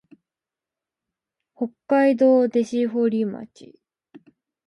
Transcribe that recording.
北海道弟子屈町